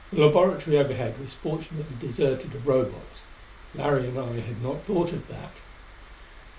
The laboratory overhead was fortunately deserted of Robots: Larry and I had not thought of that.